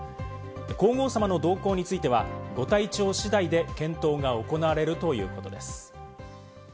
皇后さまの同行については、ご体調次第で検討が行われるということです。